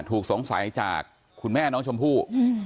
ถูกสงสัยจากคุณแม่น้องชมพู่